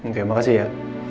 oke makasih ya